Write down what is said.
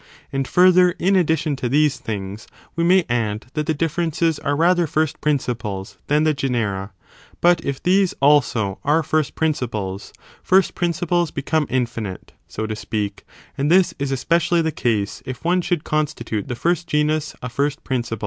And further, in addition to these things, we may add that the' differences are rather first principles than the genera ; but if these, also, are first prin ciples, first principles become infinite, so to speak : and this is especially the case if one should constitute the firstvgenus a first principle.